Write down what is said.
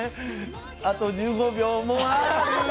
「あと１５秒もある」